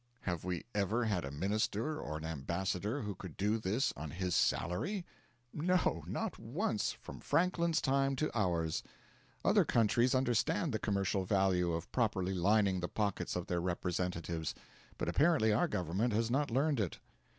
Have we ever had a minister or an ambassador who could do this on his salary? No not once, from Franklin's time to ours. Other countries understand the commercial value of properly lining the pockets of their representatives; but apparently our Government has not learned it.